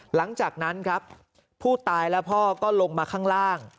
หลังจากนั้นครับผู้ตายและพ่อก็ลงมาข้างล่าง